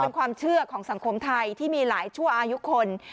เป็นความเชื่อของสังคมไทยที่มีหลายชั่วอายุคน